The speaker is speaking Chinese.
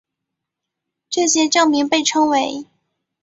这些证明被称为。